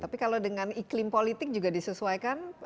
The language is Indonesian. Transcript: tapi kalau dengan iklim politik juga disesuaikan